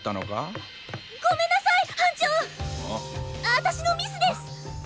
私のミスですッ！